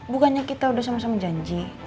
bukannya kita sudah sama sama janji